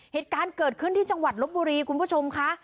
เหตุการณ์เกิดขึ้นที่จังหวัดลบบุรีคุณผู้ชมค่ะ